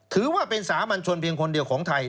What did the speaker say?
ถือว่าเป็นสามัญชนเพียงคนเดียวของไทย